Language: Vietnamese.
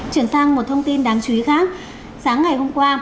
chuyển sang một thông tin đáng chú ý khác sáng ngày hôm qua